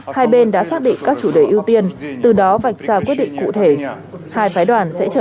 hai bên đã xác định các chủ đề ưu tiên từ đó vạch ra quyết định cụ thể hai phái đoàn sẽ trở